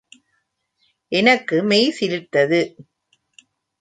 எனக்கு மெய் சிலிர்த்தது.